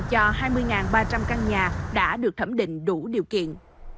cho hai mươi ba trăm linh căn nhà đã được thẩm định đủ điều kiện